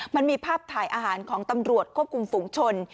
มันมีภาพถ่ายอาหารของตำรวจควบคุมฝูงชน